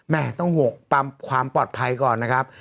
ต้อง๖ความปลอดภัยก่อนนะครับ